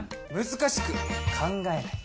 難しく考えない。